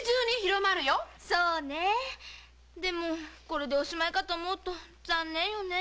これでおしまいかと思うと残念よね。